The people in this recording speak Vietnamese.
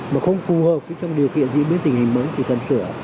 mà không phù hợp với trong điều kiện diễn biến tình hình mới thì cần sửa